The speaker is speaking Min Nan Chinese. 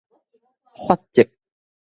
法則